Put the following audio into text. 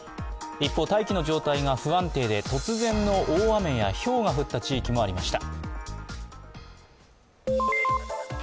一方、大気の状態が不安定で突然の大雨やひょうが降った地域もありました。